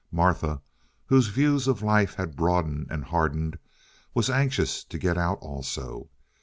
Martha, whose views of life had broadened and hardened, was anxious to get out also.